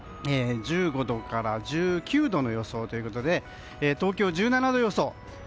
１５度から１９度の予想ということで東京１７度予想。